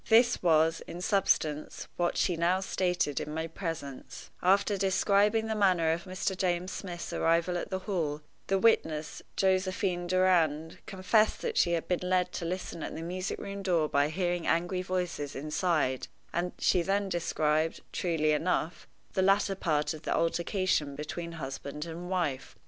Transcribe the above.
This was, in substance, what she now stated in my presence: After describing the manner of Mr. James Smith's arrival at the Hall, the witness, Josephine Durand, confessed that she had been led to listen at the music room door by hearing angry voices inside, and she then described, truly enough, the latter part of the altercation between husband and wife.